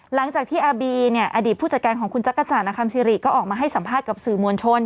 หลังจากที่อาบีเนี่ยอดีตผู้จัดการของคุณจักรจันทร์อคัมซิริก็ออกมาให้สัมภาษณ์กับสื่อมวลชน